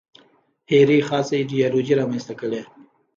هرې خاصه ایدیالوژي رامنځته کړې.